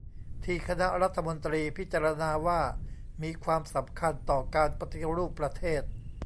ที่คณะรัฐมนตรีพิจารณาว่ามีความสำคัญต่อการปฏิรูปประเทศ